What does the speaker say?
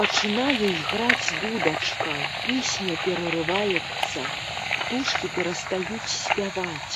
Пачынае іграць дудачка, песня перарываецца, птушкі перастаюць спяваць.